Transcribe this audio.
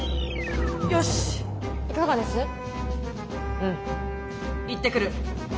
うん行ってくる。